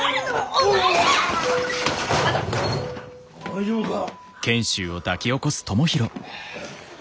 大丈夫か？